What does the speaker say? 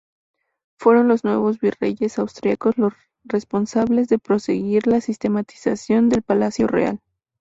Fueron los nuevos virreyes austríacos los responsables de proseguir la sistematización del Palacio Real.